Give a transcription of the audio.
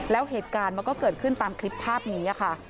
แล้วเหตุการณ์มันก็เกิดขึ้นตามคลิปภาพนี้ค่ะ